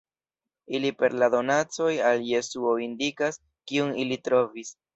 Ili per la donacoj al Jesuo indikas Kiun ili trovis.